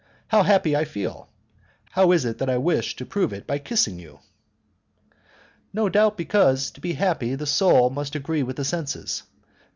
How happy I feel! How is it that I wish to prove it by kissing you?" "No doubt because, to be happy, the soul must agree with the senses."